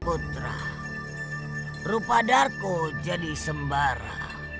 putra rupadarko jadi sembara